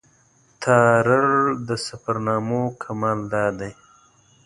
تارړ د سفرنامو کمال دا دی.